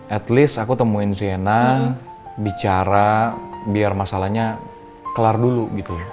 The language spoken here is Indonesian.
at least aku temuin zena bicara biar masalahnya kelar dulu gitu